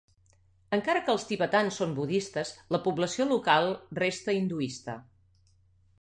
Encara que els tibetans són budistes, la població local resta hinduista.